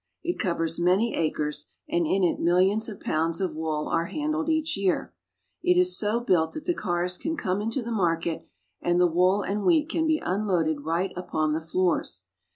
It covers many acres, and in it millions of pounds of wool are handled each year. It is so built that the cars can come into the market, and the wool and wheat can be unloaded right upon the floors.